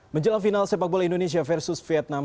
menjelang final sepak bola indonesia versus vietnam